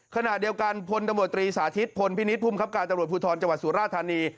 ขณะเดียวกันพลตรสาธิตพลพินิศภูมิคับการตรภูทรจสุราธารณี